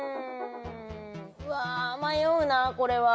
うわ迷うなこれは。